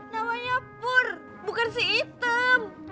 namanya pur bukan si hitam